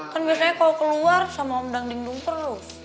kan biasanya kalau keluar sama om dangdingdung terus